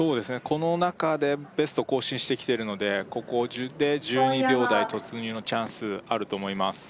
この中でベスト更新してきてるのでここで１２秒台突入のチャンスあると思います